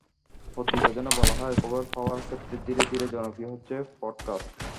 প্রতিবেদনে বলা হয়, খবর পাওয়ার ক্ষেত্রে ধীরে ধীরে জনপ্রিয় হচ্ছে পডকাস্ট।